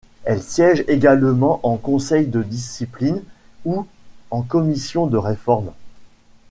Elles siègent également en conseils de discipline ou en commission de réforme.